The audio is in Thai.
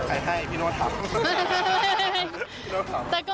สรุปใครให้พี่หนูทำ